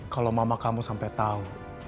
kalau mama kamu sampai tahu